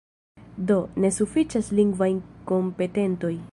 Do, ne sufiĉas lingvaj kompetentoj.